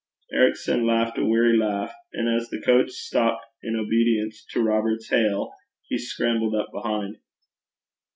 Ericson laughed a weary laugh, and as the coach stopped in obedience to Robert's hail, he scrambled up behind.